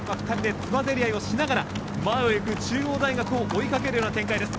つばぜり合いをしながら前を行く中央大学を追いかける展開です。